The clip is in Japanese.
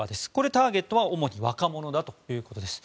ターゲットは主に若者だということです。